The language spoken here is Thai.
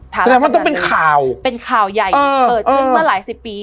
แสดงว่าต้องเป็นข่าวเป็นข่าวใหญ่เกิดขึ้นเมื่อหลายสิบปี